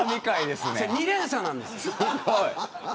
２連鎖なんです。